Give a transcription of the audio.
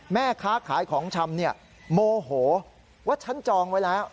แม่ค้าขายของชำโมโหว่าฉันจองไว้แล้ว